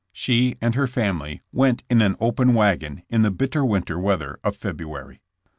She and her family went in an open wagon in the bitter winter weather of February.